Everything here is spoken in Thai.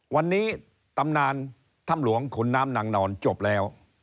วันนี้ตำนานถ้ำหลวงขุนน้ำนางนอนจบแล้ว